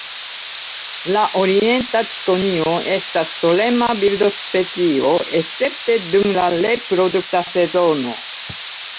La Orienta cikonio estas solema birdospecio escepte dum la reprodukta sezono.